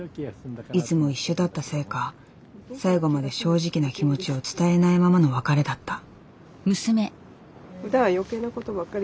いつも一緒だったせいか最後まで正直な気持ちを伝えないままの別れだった。